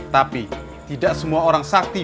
tapi tidak semua orang sakti